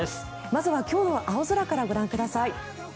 まずは今日の青空からご覧ください。